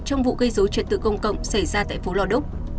trong vụ gây dấu triệt tự công cộng xảy ra tại phố lò đúc